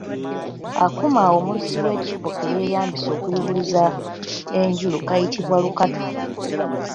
Akuuma omulusi w'ekibbo ke yeeyambisa okuyubuluza enjulu kayitibwa lukatu.